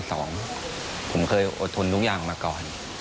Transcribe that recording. สองผมเคยอดทนทุกอย่างมาก่อน